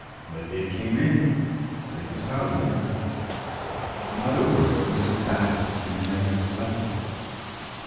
Lately it came in safe as houses now." "In other words, Mr. Bast need never have left it."